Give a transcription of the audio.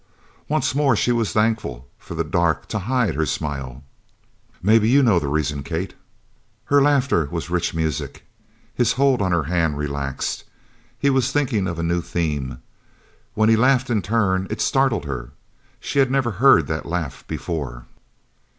Once more she was thankful for the dark to hide her smile. "Maybe you know the reason, Kate?" Her laughter was rich music. His hold on her hand relaxed. He was thinking of a new theme. When he laughed in turn it startled her. She had never heard that laugh before.